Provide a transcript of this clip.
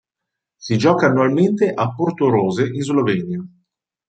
Si gioca annualmente a Portorose in Slovenia.